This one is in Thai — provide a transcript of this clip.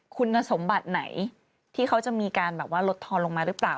คุณสมบัติไหนที่เขาจะมีการแบบว่าลดทอนลงมาหรือเปล่า